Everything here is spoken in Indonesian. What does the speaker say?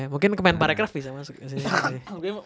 mungkin kemen parecraft bisa masuk